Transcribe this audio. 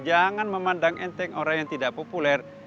jangan memandang enteng orang yang tidak populer